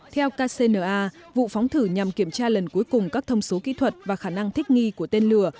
theo kcna vụ phóng thử nhằm kiểm tra lần cuối cùng các thông số kỹ thuật và khả năng thích nghi của tên lửa